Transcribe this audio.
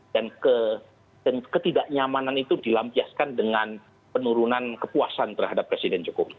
dan ketidaknyamanan itu dilampiaskan dengan penurunan kepuasan terhadap presiden cukup